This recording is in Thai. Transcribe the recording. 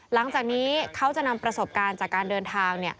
หลังจากนี้เขาจะนำประสบการณ์จากการเดินทาง